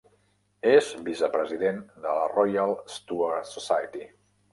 És vicepresident de la Royal Stuart Society.